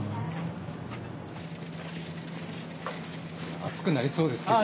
暑くなりそうですけど。